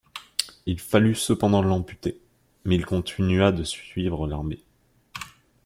Il fallut cependant l’amputer mais il continua de suivre l'armée.